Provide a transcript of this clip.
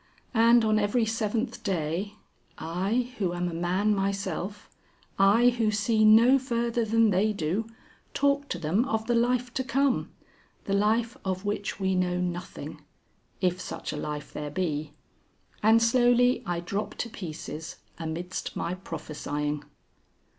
And on every seventh day, I who am a man myself, I who see no further than they do, talk to them of the Life to Come the life of which we know nothing. If such a life there be. And slowly I drop to pieces amidst my prophesying."